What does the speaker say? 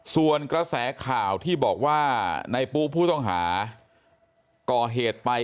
ส่วนกระแสข่าวที่บอกว่าในปุ๊ผู้ต้องหาก่อเหตุไป